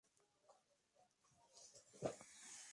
Pronto hubo una serie de retrasos lo que demoró la fecha de partida.